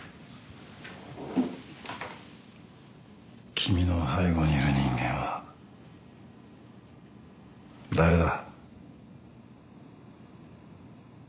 君の背後にいる人間は誰だ？